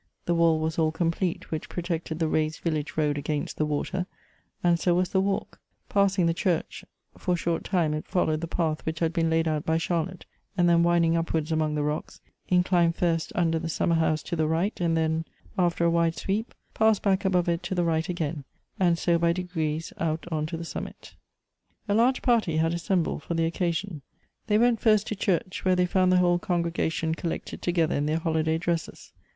The wall was all complete which protected the raised village road against the water, and so was the walk; passing the church, for short time it followed the path which had been laid out by Charlotte, and then winding upwards among the rocks, inclined first under the sum mer house to the right and then, after a wide sweep, passed back above it to the right again, and so by degrees out on to the summit. A large party had assembled for the occasion. They went fii st to church, where they found the whole congre gation collected together in their holiday dresses.